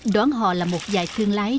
đoán họ là một dạy thương lái